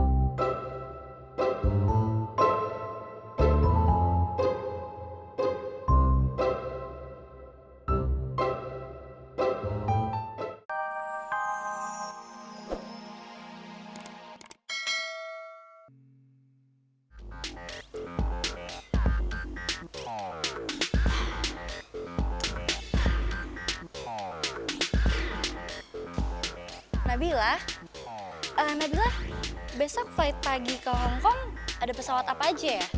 mabillah besok flight pagi ke hong kong ada pesawat apa aja ya